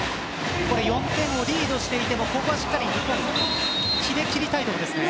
４点をリードしていてもここはしっかり決め切りたいところですね。